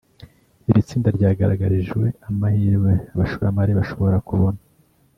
iri tsinda ryagaragarijwe amahirwe abashoramari bashobora kubona